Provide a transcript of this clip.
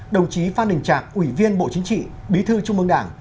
đồng chí phan đình trạng ủy viên bộ chính trị bí thư trung ương đảng